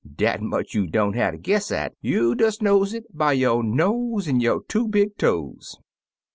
Dat much you don't hatter guess at;' you des knows it by yo' nose an' yo' two big toes.